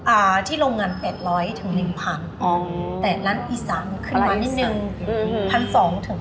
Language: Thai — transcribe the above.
อ่าที่โรงงาน๘๐๐ถึง๑พังแต่ร้านอิสรันขึ้นมานิดนึง